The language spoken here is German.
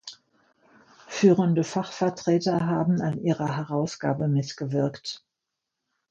Führende Fachvertreter haben an ihrer Herausgabe mitgewirkt.